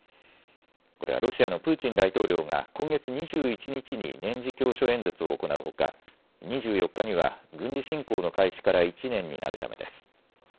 これはロシアのプーチン大統領が今月２１日に年次教書演説を行うほか２４日には軍事侵攻の開始から１年になるためです。